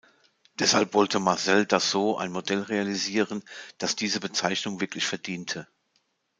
Deshalb wollte Marcel Dassault ein Modell realisieren, das diese Bezeichnung wirklich verdiente.